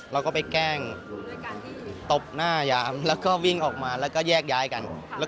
เราก็ไปแกล้งตบหน้ายามแล้วก็วิ่งออกมาแล้วก็แยกย้ายกัน